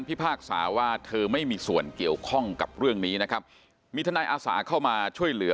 พากษาว่าเธอไม่มีส่วนเกี่ยวข้องกับเรื่องนี้นะครับมีทนายอาสาเข้ามาช่วยเหลือ